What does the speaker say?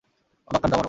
অবাক কাণ্ড, আমারও।